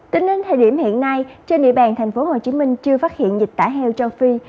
tính đến thời điểm hiện nay trên địa bàn thành phố hồ chí minh chưa phát hiện dịch tả heo châu phi